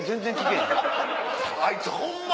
あいつホンマ。